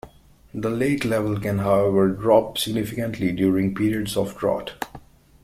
The lake level can, however, drop significantly during periods of drought.